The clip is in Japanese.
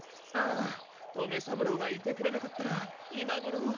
ああ留三郎がいてくれなかったら今ごろ。